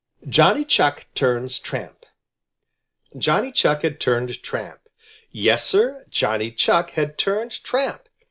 JOHNNY CHUCK TURNS TRAMP Johnny Chuck had turned tramp. Yes, Sir, Johnny Chuck had turned tramp.